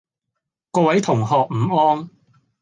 各位同學午安